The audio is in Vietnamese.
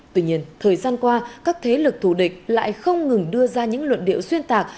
tuy nhiên thời gian qua các thế lực thù địch lại không ngừng đưa ra những luận điệu xuyên tạc